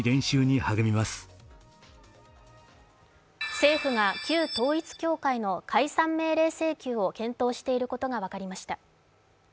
政府が旧統一教会の解散命令請求を検討していることが分かりました。